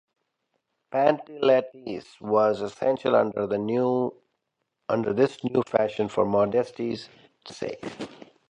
Pantalettes were essential under this new fashion for modesty's sake.